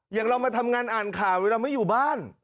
อย่างเรามาทำงานอ่านข่าวหรือเราไม่อยู่บ้าน